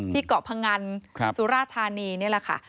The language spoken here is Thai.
เกาะพงันสุราธานีนี่แหละค่ะ